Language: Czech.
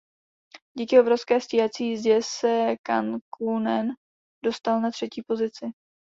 Díky obrovské stíhací jízdě se Kankkunen dostal na třetí pozici.